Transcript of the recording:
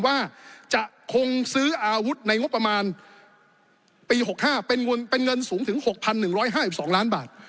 ว่าจะคงซื้ออาวุธในงบประมาณปี๖๕เป็นเงินสูงถึง๖๑๕๒ล้านบาท